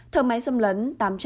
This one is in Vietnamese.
thở máy xâm lấn tám trăm bảy mươi bảy